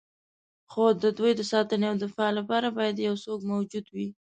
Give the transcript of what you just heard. خو د دوی د ساتنې او دفاع لپاره باید یو څوک موجود وي.